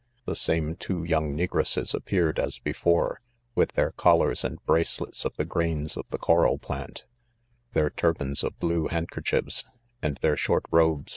The same two young negresses appeared as before, with their collars and bracelets of the grains of the ccjral plant 5 their turbans of blue handkerchiefs, and their short robes